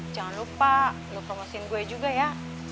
jangan lupa lo promosiin gue juga ya